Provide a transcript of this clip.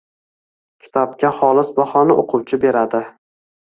Kitobga xolis bahoni o‘quvchi beradi.